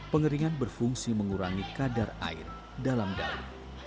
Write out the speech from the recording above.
pengeringan berfungsi mengurangi kadar air dalam daun